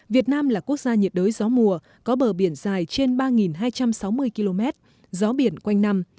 việt nam là quốc gia nhiệt đới gió mùa có bờ biển dài trên ba hai trăm sáu mươi km gió biển quanh năm